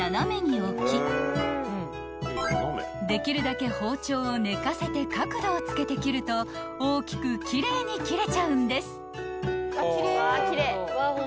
［できるだけ包丁を寝かせて角度をつけて切ると大きく奇麗に切れちゃうんです］